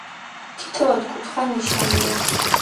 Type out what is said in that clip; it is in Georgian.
თითო ოთხკუთხა ნიშია.